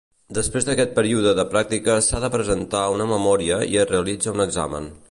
Després d'aquest període de pràctiques s'ha de presentar una memòria i es realitza un examen.